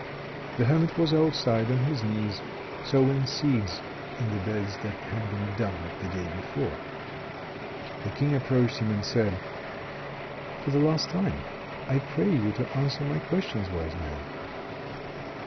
The hermit was outside, on his knees, sowing seeds in the beds that had been dug the day before. The King approached him, and said: "For the last time, I pray you to answer my questions, wise man."